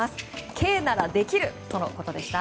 圭ならできる！とのことでした。